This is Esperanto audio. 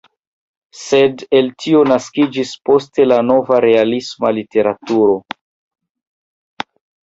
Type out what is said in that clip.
Sed el tio naskiĝis poste la nova realisma literaturo.